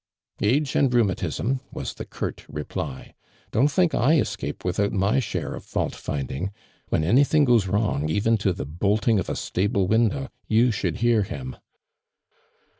"Age and rheumatism," was the curt reply. " Don't think I escape without my share of fault finding I When anything goes wrong, even to the bolting of a stable win dow, you should hear him."